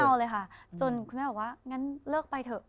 เลยค่ะจนคุณแม่บอกว่างั้นเลิกไปเถอะ